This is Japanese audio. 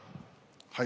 はい。